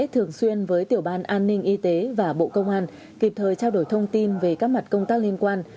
thường xuyên với tiểu ban an ninh y tế và bộ công an kịp thời trao đổi thông tin về các mặt công tác liên quan